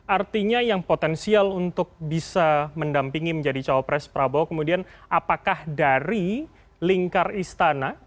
artinya yang potensial untuk bisa mendampingi menjadi cawapres prabowo kemudian apakah dari lingkar istana